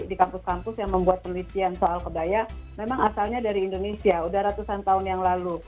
di kampus kampus yang membuat penelitian soal kebaya memang asalnya dari indonesia sudah ratusan tahun yang lalu